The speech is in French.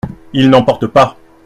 Ils n’en portent pas !